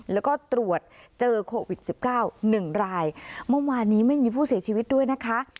แล้วก็ตรวจเจอโควิดสิบเก้าหนึ่งรายเมื่อวานนี้ไม่มีผู้เสียชีวิตด้วยนะคะ